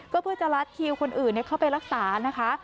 ก็เพื่อจะลัดคิวคนอื่นเข้าไปรักษานะคะ